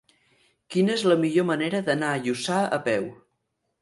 Quina és la millor manera d'anar a Lluçà a peu?